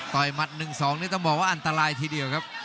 ต่อยหมัดหนึ่งสองนี่ต้องบอกว่าอันตรายทีเดียวครับ